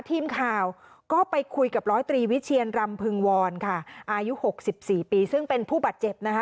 ทีมข่าวก็ไปคุยกับร้อยตรีวิเชียนรำพึงวรค่ะอายุหกสิบสี่ปีซึ่งเป็นผู้บาดเจ็บนะคะ